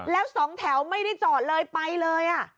แล้วสองแถวไม่ได้จอดเลยไปเลย